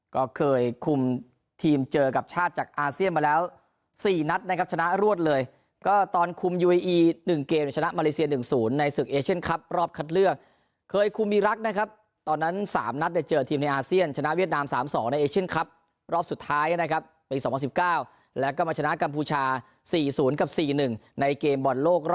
ก็เคยคุมทีมเจอกับชาติจากอาเซียนมาแล้วสี่นัดนะครับชนะรวดเลยก็ตอนคุมยูเอียีหนึ่งเกมชนะมาเลเซียหนึ่งศูนย์ในศึกเอเชียนครับรอบคัดเลือกเคยคุมมีรักนะครับตอนนั้นสามนัดในเจอทีมในอาเซียนชนะเวียดนามสามสองในเอเชียนครับรอบสุดท้ายนะครับไปสองพันสิบเก้าแล้วก็มาชนะกัมพูชาสี่ศูนย์ก